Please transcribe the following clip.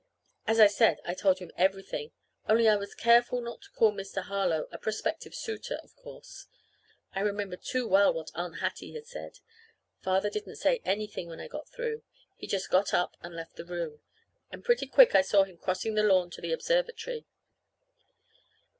As I said, I told him everything, only I was careful not to call Mr. Harlow a prospective suitor, of course. I remembered too well what Aunt Hattie had said. Father didn't say anything when I got through. He just got up and left the room, and pretty quick I saw him crossing the lawn to the observatory.